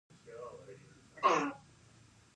ایا د ویښتو تویدو ستونزه لرئ؟